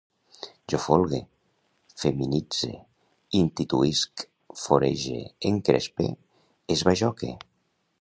Jo folgue, feminitze, instituïsc, forege, encrespe, esbajoque